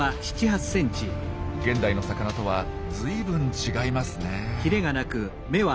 現代の魚とはずいぶん違いますね。